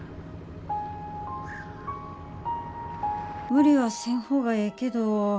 無理はせん方がええけど。